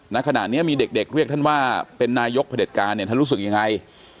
ณขณะนี้มีเด็กเรียกท่านว่าเป็นนายกเด็จการเนี่ยท่านรู้สึกยังไง